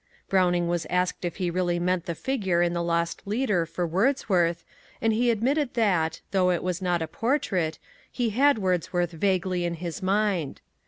Browning was asked if he really meant the figure in The Lost Leader for Wordsworth, and he admitted that, though it was not a portrait, he had Wordsworth vaguely in his mind.